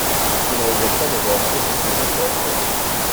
Je ne regrette pas d’avoir acheté cette maison forestière.